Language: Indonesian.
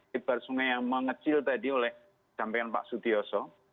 hidupkan sungai yang mengecil tadi oleh sampian pak sutioso